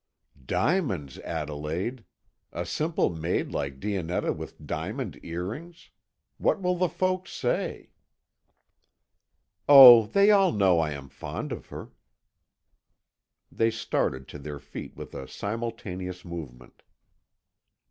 "Diamonds, Adelaide! A simple maid like Dionetta with diamond earrings! What will the folks say?" "Oh, they all know I am fond of her " They started to their feet with a simultaneous movement.